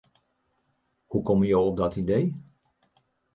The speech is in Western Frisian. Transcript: Hoe komme jo op dat idee?